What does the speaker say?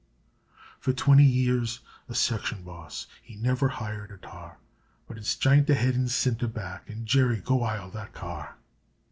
For twinty years a section boss, he niver hired a tar, But it's "j'int ahead an cinter back, An' Jerry, go ile that car r r!"